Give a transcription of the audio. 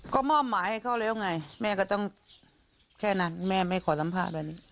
ก็มอบหมายให้เขาแล้วไงแม่ก็ต้องแค่นั้นแม่ไม่ขอสัมภาษณ์แบบนี้